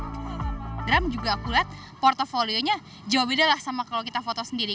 program juga aku lihat portfolio nya jauh beda lah sama kalau kita foto sendiri